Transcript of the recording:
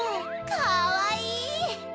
かわいい！